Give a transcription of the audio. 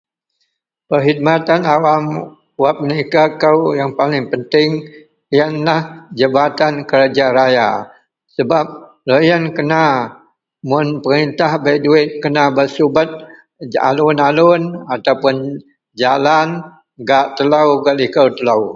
Perkhidmatan awam wak penikir kou yang paling penting yenlah Jabatan Kerja Raya sebap loyen kena mun peritah bei duit kena bak subet alun nalun ataupuun halan gak telou gak likou telou